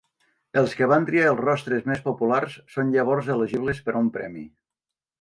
Els que van triar els rostres més populars són llavors elegibles per a un premi.